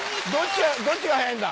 どっちが早いんだ